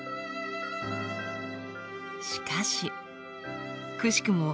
しかしくしくも